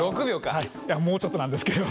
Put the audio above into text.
いやもうちょっとなんですけど。